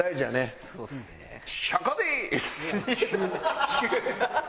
ハハハハ！